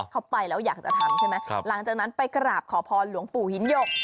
เขาไปแล้วอยากจะทำใช่ไหมหลังจากนั้นไปกราบขอพรหลวงปู่หินหยก